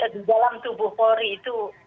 di dalam tubuh polri itu